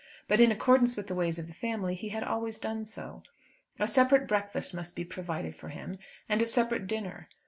But, in accordance with the ways of the family, he had always done so. A separate breakfast must be provided for him, and a separate dinner.